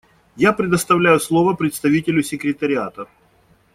Я предоставляю слово представителю Секретариата.